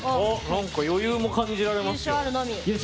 なんか、余裕も感じられますね。